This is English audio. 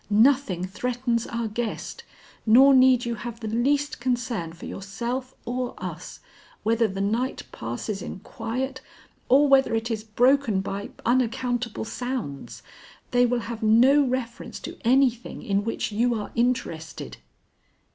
Nothing threatens our guest, nor need you have the least concern for yourself or us, whether the night passes in quiet or whether it is broken by unaccountable sounds. They will have no reference to anything in which you are interested."